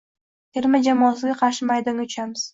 Terma jamoasiga qarshi maydonga tushamiz.